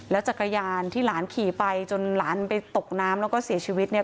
จักรยานที่หลานขี่ไปจนหลานไปตกน้ำแล้วก็เสียชีวิตเนี่ย